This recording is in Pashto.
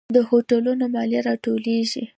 د هوټلونو مالیه راټولیږي؟